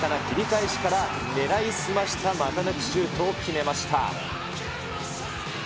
鮮やかな切り返しから、狙い澄ました股抜きシュートを決めました。